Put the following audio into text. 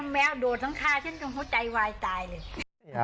แมวโดดหลังคาฉันจนเขาใจวายตายเลย